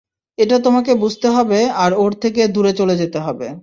এটা তোমাকে বুঝতে হবে আর ওর থেকে দূরে চলে যেতে হবে।